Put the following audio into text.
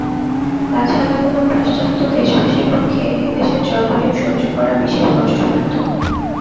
তা ছাড়া কোন পাশ্চাত্য দেশবাসীর পক্ষে এদেশের জলবায়ু সহ্য করা বিশেষ কষ্টসাধ্য।